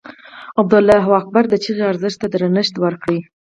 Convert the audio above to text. او د الله اکبر د چیغې ارزښت ته درنښت وکړي.